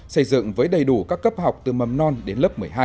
xây dựng với đầy đủ các cấp học từ mầm non đến lớp một mươi hai